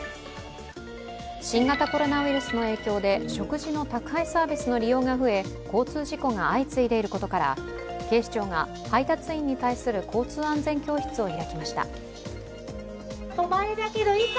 新型コロナウイルスの影響で食事の宅配サービスの利用が増え交通事故が相次いでいることから警視庁が配達員に対する交通安全教室を開きました。